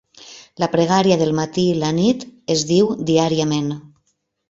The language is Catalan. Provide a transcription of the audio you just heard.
La pregària del matí i la nit es diu diàriament.